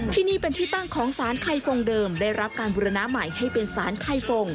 ที่นี่เป็นที่ตั้งของสารไข่ฟงเดิมได้รับการบุรณาใหม่ให้เป็นสารไข่ฟง